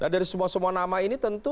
dari semua semua nama ini tentu